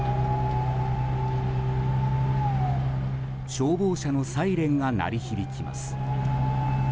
消防車のサイレンが鳴り響きます。